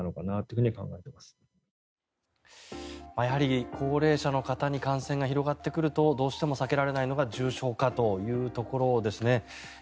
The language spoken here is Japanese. やはり高齢者の方に感染が広がってくるとどうしても避けられないのが重症化というところですね。